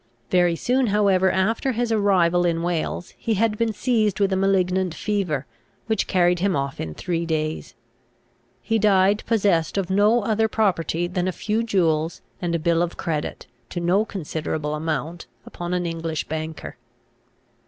Very soon however after his arrival in Wales he had been seized with a malignant fever, which carried him off in three days. He died possessed of no other property than a few jewels, and a bill of credit, to no considerable amount, upon an English banker.